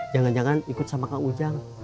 jangan jangan ikut sama kang ujang